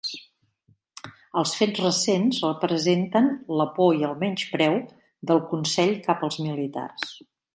Els fets recents representen "la por i el menyspreu" del consell cap als militars.